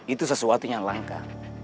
itu sesuatu yang langka